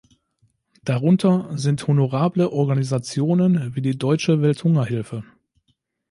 Darunter sind honorable Organisationen wie die Deutsche Welthungerhilfe.